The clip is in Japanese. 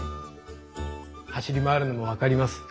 走り回るのも分かります。